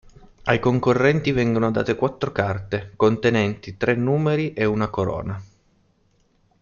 Ai concorrenti vengono date quattro carte, contenenti tre numeri e una corona.